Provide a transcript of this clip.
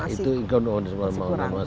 itu masih kurang